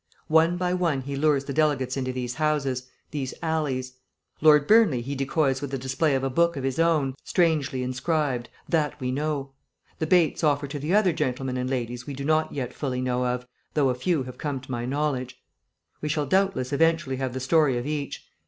One by one he lures the delegates into these houses, these alleys. Lord Burnley he decoys with the display of a book of his own, strangely inscribed; that we know. The baits offered to the other gentlemen and ladies we do not yet know fully of, though a few have come to my knowledge. We shall doubtless eventually have the story of each.